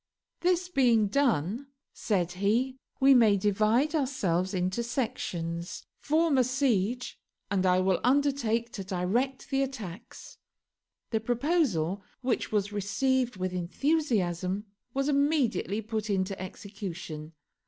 "This being done," said he, "we may divide ourselves into sections, form a siege, and I will undertake to direct the attacks." The proposal, which was received with enthusiasm, was immediately put into execution.